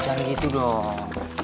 jangan gitu dong